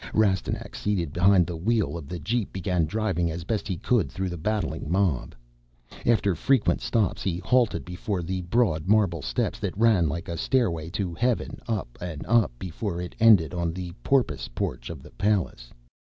Rastignac, seated behind the wheel of the Jeep, began driving as best he could through the battling mob. After frequent stops he halted before the broad marble steps that ran like a stairway to heaven, up and up before it ended on the Porpoise Porch of the Palace.